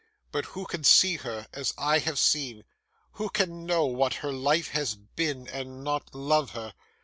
But who can see her as I have seen, who can know what her life has been, and not love her?